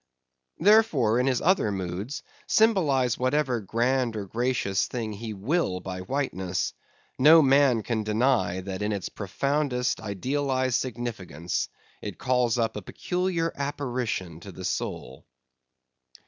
Therefore, in his other moods, symbolize whatever grand or gracious thing he will by whiteness, no man can deny that in its profoundest idealized significance it calls up a peculiar apparition to the soul.